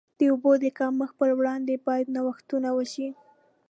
د اوبو د کمښت پر وړاندې باید نوښتونه وشي.